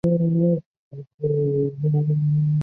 奥林匹亚圣保罗是巴西圣保罗州的一个市镇。